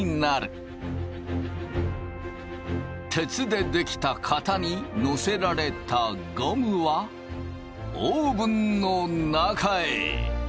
鉄で出来た型に載せられたゴムはオーブンの中へ。